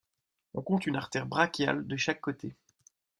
On compte une artère brachiale de chaque côté.